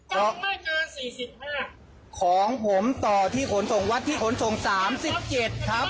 ต้องไม่เกินสี่สิบห้าของผมต่อที่ขนส่งวัดที่ขนส่งสามสิบเจ็ดครับ